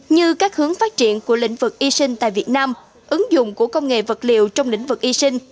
như các hướng phát triển của lĩnh vực y sinh tại việt nam ứng dụng của công nghệ vật liệu trong lĩnh vực y sinh